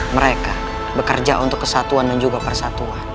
mereka bekerja untuk kesatuan dan juga persatuan